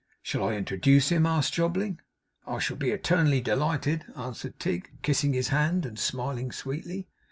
'Shall I introduce him?' asked Jobling. 'I shall be eternally delighted,' answered Tigg, kissing his hand and smiling sweetly.